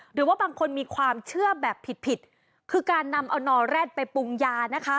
หรือว่าบางคนมีความเชื่อแบบผิดผิดคือการนำเอานอแร็ดไปปรุงยานะคะ